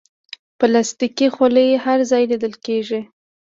پلاستيکي خولۍ هر ځای لیدل کېږي.